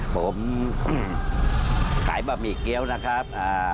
ผมขายบะหมี่เกี้ยวนะครับ